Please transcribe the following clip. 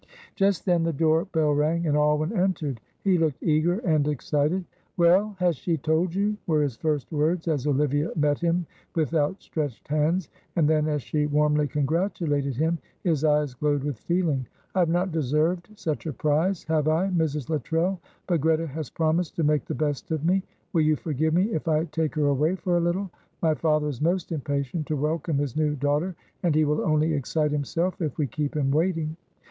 Just then the door bell rang, and Alwyn entered; he looked eager and excited. "Well, has she told you?" were his first words, as Olivia met him with outstretched hands; and then, as she warmly congratulated him, his eyes glowed with feeling. "I have not deserved such a prize, have I, Mrs. Luttrell? but Greta has promised to make the best of me. Will you forgive me if I take her away for a little? My father is most impatient to welcome his new daughter, and he will only excite himself if we keep him waiting."